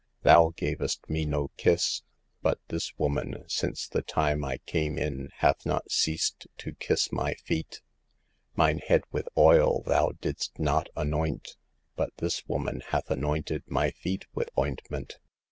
Thou gavest me no kiss ; but this woman, since the time I came in, hath not ceased to kiss my feet. " Mine head with oil thou didst not anoint ; but this woman hath anointed my feet with ointment.